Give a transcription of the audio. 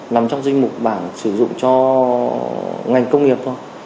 nằm trong dinh mục bảng sử dụng cho ngành công nghiệp thôi